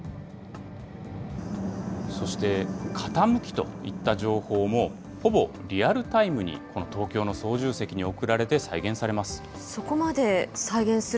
そして傾きといった情報も、ほぼリアルタイムに東京の操縦席に送られて再現されます。